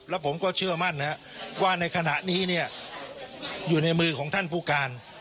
แล้วผมก็เชื่อมั่นนะครับว่าในขณะนี้เนี่ยอยู่ในมือของท่านผู้การ